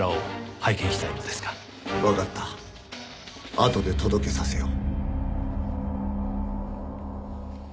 あとで届けさせよう。